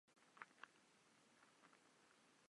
Splnil tak jeden z klíčových požadavků demonstrantů.